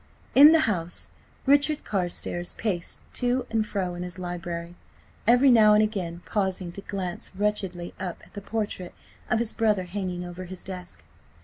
In the house, Richard Carstares paced to and fro in his library, every now and again pausing to glance wretchedly up at the portrait of his brother hanging over his desk.